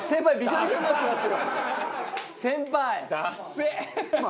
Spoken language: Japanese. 先輩！